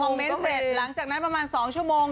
เมนต์เสร็จหลังจากนั้นประมาณ๒ชั่วโมง